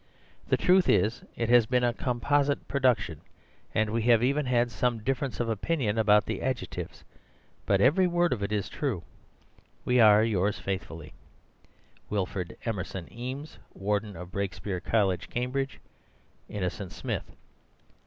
The truth is, it has been a composite production; and we have even had some difference of opinion about the adjectives. But every word of it is true.—We are, yours faithfully, "Wilfred Emerson Eames, "Warden of Brakespeare College, Cambridge. "Innocent Smith.